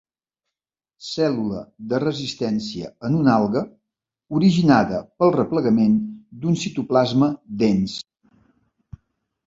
Cèl·lula de resistència en una alga originada pel replegament d'un citoplasma dens.